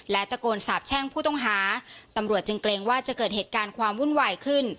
และตะโกนสาบแช่งผู้ต้องหาตำรวจจึงเกรงว่าจะเกิดเหตุการณ์ความวุ่นวายขึ้น